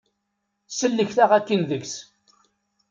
Sellket-aɣ akin deg-s.